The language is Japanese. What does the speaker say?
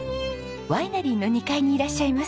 ワイナリーの２階にいらっしゃいます。